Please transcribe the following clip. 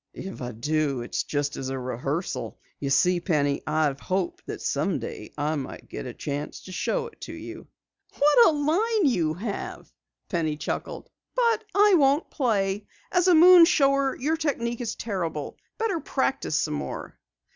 "If I do, it's just as a rehearsal. You see, Penny, I've hoped that someday I might get a chance to show it to you." "What a line you have," laughed Penny. "But I won't play. As a moon shower your technique is terrible. Better practice some more."